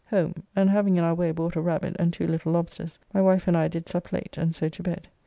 Home, and having in our way bought a rabbit and two little lobsters, my wife and I did sup late, and so to bed.